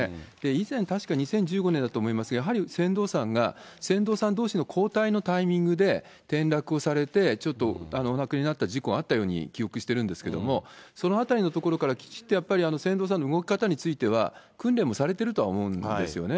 以前、確か２０１５年だと思いますが、やはり船頭さんが、船頭さんどうしの交代のタイミングで転落をされて、ちょっとお亡くなりになったような事故、あったように記憶してるんですけども、そのあたりのところからきっとやっぱり、船頭さんの動き方については、訓練もされてるとは思うんですよね。